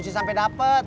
lagi sampai dapet